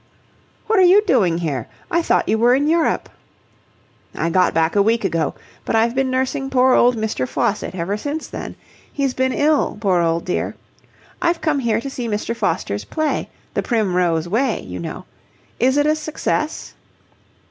"What are you doing here? I thought you were in Europe." "I got back a week ago, but I've been nursing poor old Mr. Faucitt ever since then. He's been ill, poor old dear. I've come here to see Mr. Foster's play, 'The Primrose Way,' you know. Is it a success?"